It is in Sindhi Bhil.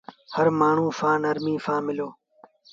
هر مآڻهوٚݩ سآݩ نرمي سآݩ ملو۔